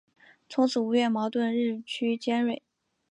从此吴越矛盾日趋尖锐。